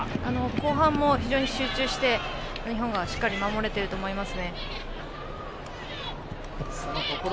後半も非常に集中して日本がしっかり守れていると思います。